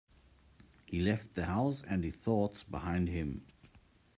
He left the house and his thoughts behind him.